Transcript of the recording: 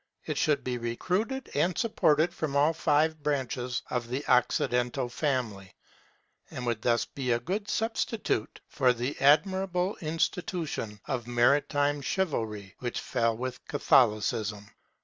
It should be recruited and supported by all five branches of the Occidental family, and would thus be a good substitute for the admirable institution of maritime Chivalry which fell with Catholicism.